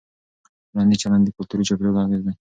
ټولنیز چلند د کلتوري چاپېریال اغېز دی.